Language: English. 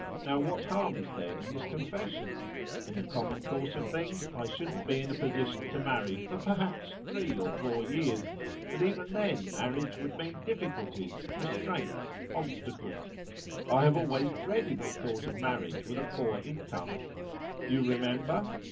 Now what harm is there in this confession? In the common course of things I shouldn't be in a position to marry for perhaps three or four years, and even then marriage would mean difficulties, restraints, obstacles. I have always dreaded the thought of marriage with a poor income. You remember?